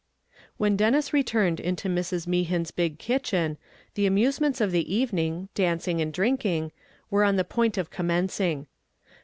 When Denis returned into Mrs. Mehan's big kitchen, the amusements of the evening dancing and drinking were on the point of commencing.